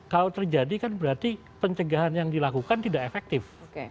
kalau terjadi kan berarti pencegahan yang dilakukan tidak efektif